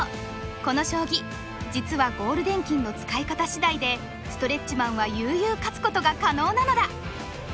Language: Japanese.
この将棋実はゴールデン金の使い方次第でストレッチマンは悠々勝つことが可能なのだ。